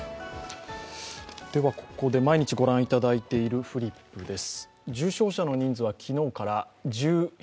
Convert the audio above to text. ここで毎日御覧いただいているフリップです。